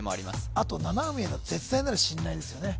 あと七海への絶大なる信頼ですよね